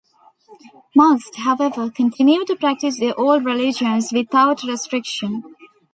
Most, however, continued to practice their old religions without restriction.